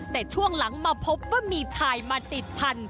แต่ช่วงหลังมาพบว่ามีชายมาติดพันธุ